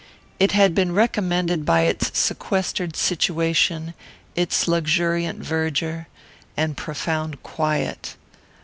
It had been recommended by its sequestered situation, its luxuriant verdure, and profound quiet.